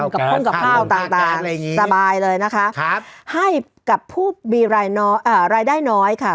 กับห้องกับข้าวต่างสบายเลยนะคะให้กับผู้มีรายได้น้อยค่ะ